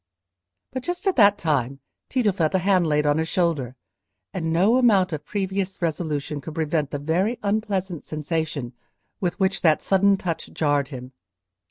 But just at that time Tito felt a hand laid on his shoulder, and no amount of previous resolution could prevent the very unpleasant sensation with which that sudden touch jarred him.